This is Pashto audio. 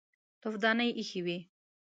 تفدانۍ ايښې وې.